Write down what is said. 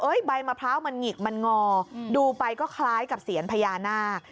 ใบมะพร้าวมันหงิกมันงอดูไปก็คล้ายกับเสียญพญานาค